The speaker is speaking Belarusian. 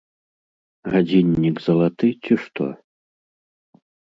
Гадзіннік залаты ці што?